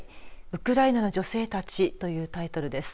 ウクライナの女性たちというタイトルです。